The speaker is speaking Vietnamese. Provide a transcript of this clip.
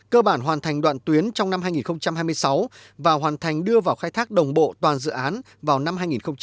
cơ bản hoàn thành đoạn tuyến trong năm hai nghìn hai mươi sáu và hoàn thành đưa vào khai thác đồng bộ toàn dự án vào năm hai nghìn hai mươi năm